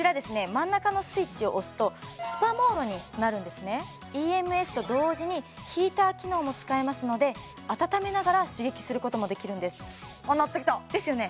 真ん中のスイッチを押すとスパモードになるんですねＥＭＳと同時にヒーター機能も使えますので温めながら刺激することもできるんですですよね